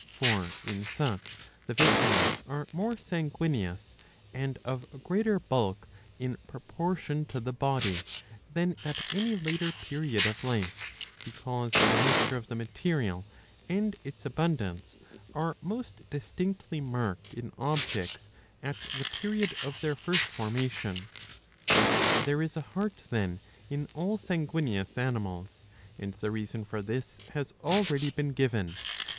For in such the viscera are more sanguineous, and of greater bulk in proportion to the body, than at any later period of life, because the nature of the material and its abundance are most distinctly marked in objects at the period of their first formation.* There is a heart, then, in 665 b. iii. 4. 6^ all sanguineous animals, and the reason for this has already been given.